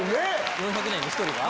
４００年に１人が？